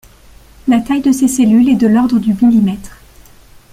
La taille de ces cellules est de l'ordre du millimètre.